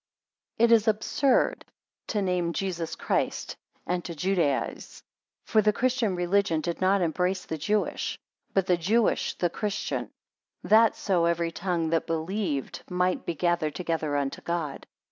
11 It is absurd to name Jesus Christ, and to Judaize. For the christian religion did not embrace the Jewish, but the Jewish the christian; that so every tongue that believed might be gathered together unto God.